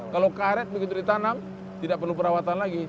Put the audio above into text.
kalau karet begitu ditanam tidak perlu perawatan lagi